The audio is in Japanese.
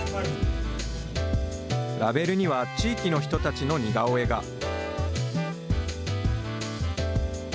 ラベルには地域の人たちの似顔絵が。